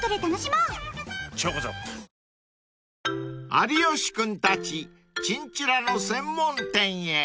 ［有吉君たちチンチラの専門店へ］